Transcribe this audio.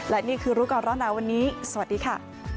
และนี่คือรู้ก่อนร้อนหนาวันนี้สวัสดีค่ะ